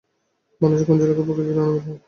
বাংলাদেশের কোন জেলাকে প্রকৃতির রানি বলা হয়?